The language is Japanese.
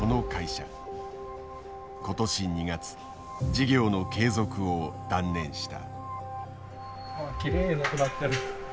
今年２月事業の継続を断念した。